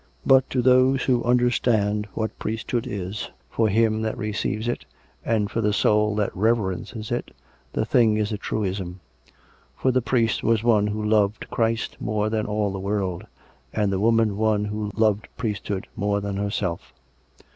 But to those who under stand what priesthood is, for him that receives it, and for the soul that reverences it, the thing is a truism. For the priest was one who loved Christ more than all the 324 COME RACK! COME ROPE! world; and the woman one who loved priesthood more than herself.